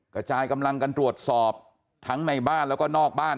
กระจายกำลังกันตรวจสอบทั้งในบ้านแล้วก็นอกบ้าน